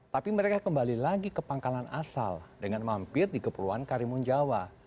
tapi mereka kembali lagi ke pangkalan asal dengan mampir di kepulauan karimun jawa